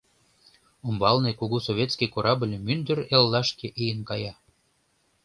Умбалне кугу советский корабль мӱндыр эллашке ийын кая.